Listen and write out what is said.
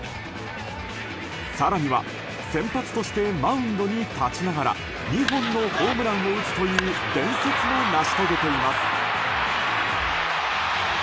更には、先発としてマウンドに立ちながら２本のホームランを打つという伝説も成し遂げています。